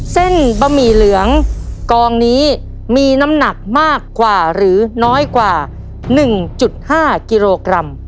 เส้นบะหมี่เหลืองกองนี้มีน้ำหนักมากกว่าหรือน้อยกว่า๑๕กิโลกรัม